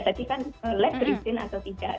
lihat lab beristim atau tidak